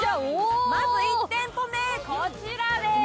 １店舗目、こちらです、